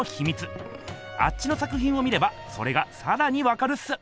あっちの作ひんを見ればそれがさらにわかるっす！